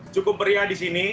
cukup beriah di sini